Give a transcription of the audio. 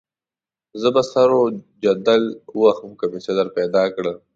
زه به سر وجدل ووهم که مې څه درپیدا کړه.